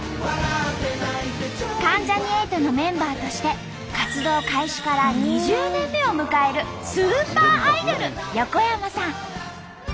関ジャニ∞のメンバーとして活動開始から２０年目を迎えるスーパーアイドル横山さん。